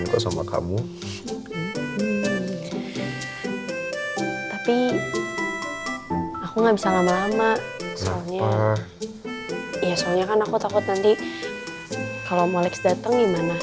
ya soalnya kan aku takut nanti kalau molex datang gimana